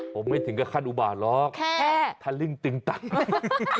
ผมไม่ถึงกับขั้นอุบาทหรอกแค่ทะลึ่งตึงตัง